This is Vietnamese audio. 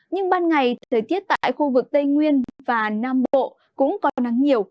nhưng ban ngày thời tiết tại khu vực tây nguyên và nam bộ cũng có nắng nhiều